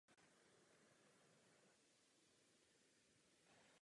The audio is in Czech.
Pro milovníky umění muzeum připravuje i časté krátkodobé výstavy.